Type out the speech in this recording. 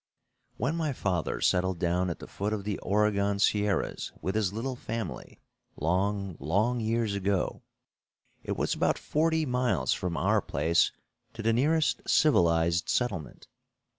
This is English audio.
When my father settled down at the foot of the Oregon Sierras with his little family, long, long years ago, it was about forty miles from our place to the nearest civilized settlement.